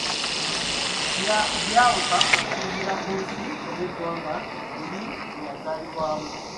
Byawuka okusinziira ku nsi oba eggwanga oli lye yazaalibwamu.